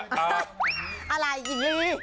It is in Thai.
อะไรหญิงลี